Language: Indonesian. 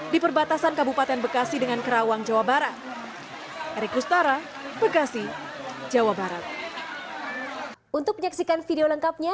di perbatasan kabupaten bekasi dengan kerawatan sandiaga menemukan petani yang berpengalaman untuk menjaga kemampuan petani